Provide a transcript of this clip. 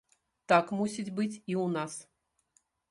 Так мусіць быць і у нас!